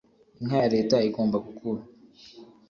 inka ya Leta igomba gukuru